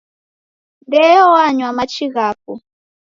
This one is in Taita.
Ndeyo wanywa machi ghapo.